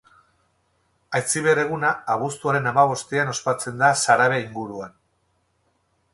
Aitziber eguna abuztuaren hamabostean ospatzen da Sarabe inguruan.